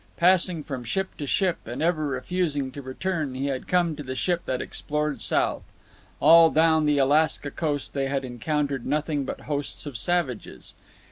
Passing from ship to ship, and ever refusing to return, he had come to the ship that explored south. All down the Alaska coast they had encountered nothing but hosts of savages.